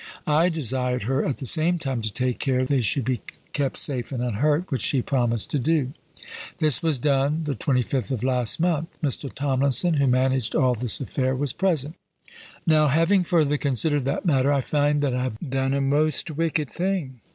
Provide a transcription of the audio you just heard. I desired her at the same time to take care they should be kept safe and unhurt, which she promised to do. This was done the 25th of last month. Mr. Tomlinson, who managed all this affair, was present. Now, having further considered that matter, I find that I have done a most wicked thing.